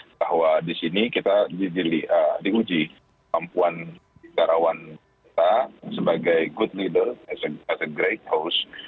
bahwa di sini kita diuji kemampuan negarawan kita sebagai good leader as a grade host